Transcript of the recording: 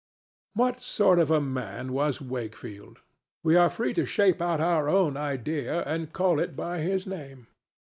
What sort of a man was Wakefield? We are free to shape out our own idea and call it by his name.